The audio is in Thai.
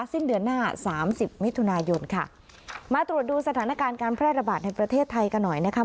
สิ้นเดือนหน้าสามสิบมิถุนายนค่ะมาตรวจดูสถานการณ์การแพร่ระบาดในประเทศไทยกันหน่อยนะคะ